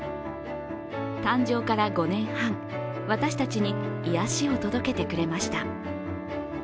誕生から５年半、私たちに癒やしを届けてくれました。